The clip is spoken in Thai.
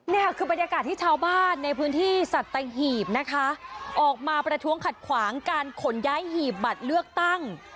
นี่ค่ะคือบรรยากาศที่ชาวบ้านในพื้นที่สัตหีบนะคะออกมาประท้วงขัดขวางการขนย้ายหีบบัตรเลือกตั้ง